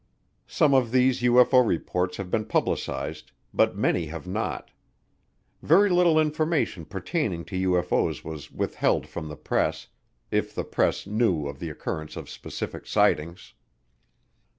Some of these UFO reports have been publicized, but many have not. Very little information pertaining to UFO's was withheld from the press if the press knew of the occurrence of specific sightings.